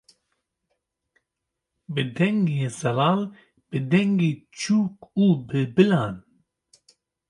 bi dengê zelal, bi dengê çûk û bilbilan